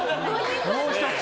もう１つ。